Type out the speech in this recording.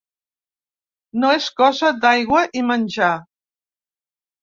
No és cosa d’aigua i menjar.